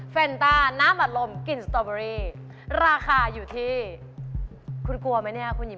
แฟนตาน้ำอัดลมกลิ่นสตอเบอร์รี่